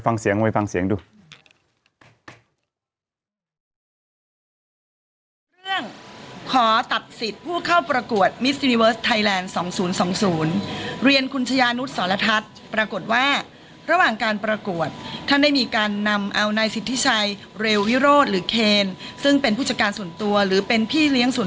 นี่นะครับไปฟังเสียงไปฟังเสียงดู